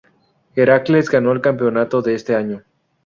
Heracles ganó el campeonato de este año.